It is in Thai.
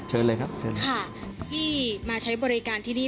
เชิญเลยครับเชิญค่ะที่มาใช้บริการที่นี่